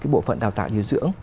bộ phận đào tạo điều dưỡng